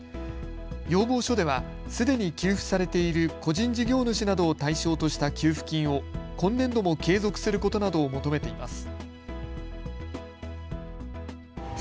要望書ではすでに給付されている個人事業主などを対象とした給付金を今年度も継続することなどを求めています。